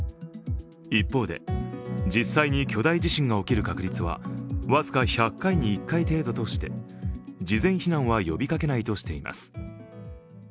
一方で、実際に巨大地震が起きる確率は僅か１００回に１回程度として事前避難は呼びかけないとしています。